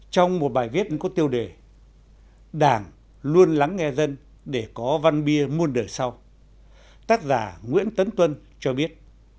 trong một bài viết có tiêu đề đảng luôn lắng nghe dân để có văn bia muôn đời sau tác giả nguyễn tấn tuân cho biết